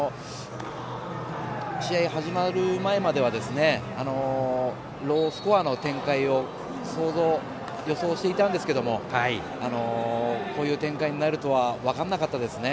試合始まる前まではロースコアの展開を予想していたんですけれどもこういう展開になるとは分からなかったですね。